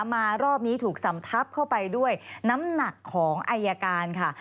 มารอบนี้ถูกสำทับเข้าไปด้วยน้ำหนักของอายการค่ะ